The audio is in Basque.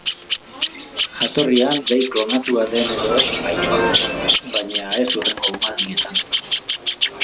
Jatorrian behi klonatua den edo ez bai, baina ez hurrengo umaldietan.